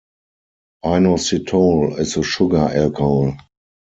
Inositol is a sugar alcohol.